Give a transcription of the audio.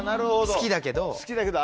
好きだけど。